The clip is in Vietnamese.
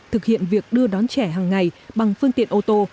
thực hiện việc đưa đón trẻ hằng ngày bằng phương tiện ô tô